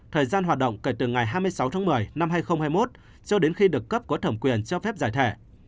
thời gian hoạt động kể từ ngày hai mươi sáu tháng một mươi năm hai nghìn hai mươi một cho đến khi được cấp có thẩm quyền cho phép giải thể